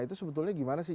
itu sebetulnya gimana sih